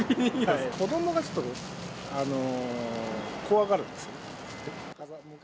子どもがちょっと、怖がるんですよ。